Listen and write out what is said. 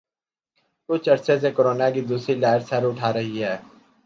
کچھ عرصہ سے کورونا کی دوسری لہر سر اٹھا رہی ہے